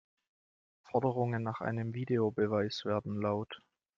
Forderungen nach einem Videobeweis werden laut.